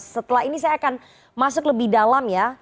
setelah ini saya akan masuk lebih dalam ya